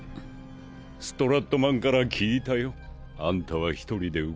ストラットマンから聞いたよ。あんたは一人で動いてるって。